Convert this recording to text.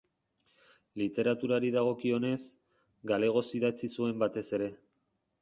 Literaturari dagokionez, galegoz idatzi zuen batez ere.